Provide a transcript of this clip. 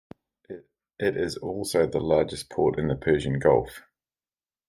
It is also the largest port in the Persian Gulf.